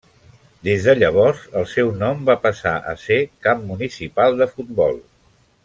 Des de llavors el seu nom va passar a ser Camp Municipal de Futbol.